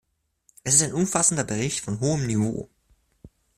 Es ist ein umfassender Bericht von hohem Niveau.